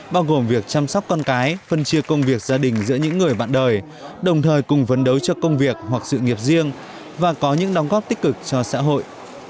bao gồm việc chăm sóc con cái phân chia công việc gia đình giữa những người bạn đời đồng thời cùng vấn đấu cho công việc hoặc sự nghiệp riêng và có những đóng góp tích cực cho xã hội